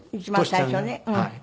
一番最初ね。